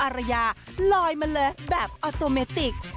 อารยาลอยมาเลยแบบออโตเมติก